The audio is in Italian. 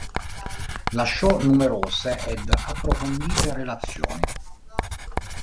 Lasciò numerose ed approfondite relazioni.